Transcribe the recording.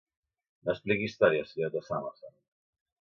No expliqui històries, senyoreta Summerson.